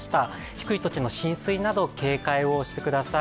低い土地の浸水など、警戒をしてください。